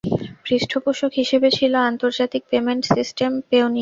পৃষ্ঠপোষক হিসেবে ছিল আন্তর্জাতিক পেমেন্ট সিস্টেম পেওনিয়ার।